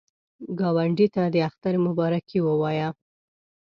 ګاونډي ته د اختر مبارکي ووایه